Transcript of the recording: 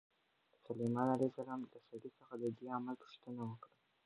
سلیمان علیه السلام له سړي څخه د دې عمل پوښتنه وکړه.